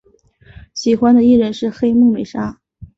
喜欢的艺人是黑木美纱。